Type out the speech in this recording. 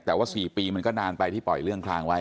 แต่ว่า๔ปีมันก็นานไปที่ปล่อยเรื่องคลางไว้